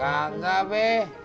gak gak be